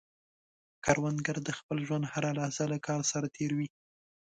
کروندګر د خپل ژوند هره لحظه له کار سره تېر وي